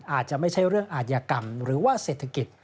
อาจจะไม่ใช่เรื่องอาธิกรรมหรือว่าเศรษฐกิจ